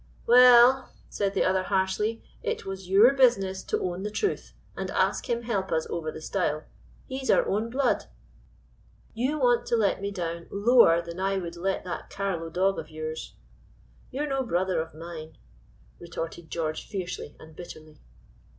"Well," said the other, harshly, "it was your business to own the truth and ask him help us over the stile he's our own blood." "You want to let me down lower than I would let that Carlo dog of yours. You're no brother of mine," retorted George fiercely and bitterly.